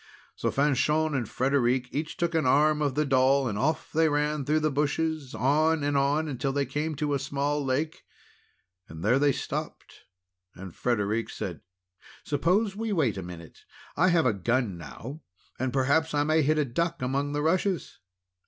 So Fanchon and Frederic took each an arm of the doll, and off they ran through the bushes, on and on, until they came to a small lake. There they stopped, and Frederic said: "Suppose we wait a minute. I have a gun now, and perhaps I may hit a duck among the rushes."